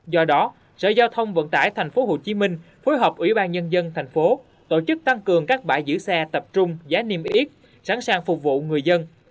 do đó sở giao thông vận tải tp hcm phối hợp ủy ban nhân dân tp tổ chức tăng cường các bãi giữ xe tập trung giá niêm yết sẵn sàng phục vụ người dân